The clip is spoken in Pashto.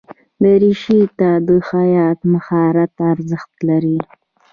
دریشي ته د خیاط مهارت ارزښت لري.